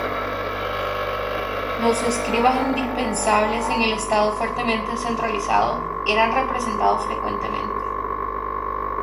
Los escribas, indispensables en el Estado fuertemente centralizado, eran representados frecuentemente.